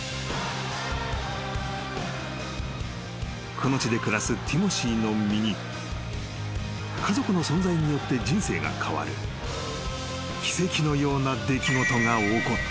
［この地で暮らすティモシーの身に家族の存在によって人生が変わる奇跡のような出来事が起こった］